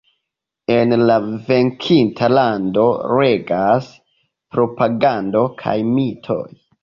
En la venkinta lando regas propagando kaj mitoj.